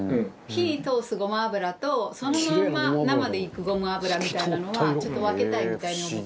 火に通すごま油とそのまんま生でいくごま油みたいなのはちょっと分けたいみたいに思ってるから。